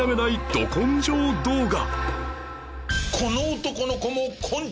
ド根性動画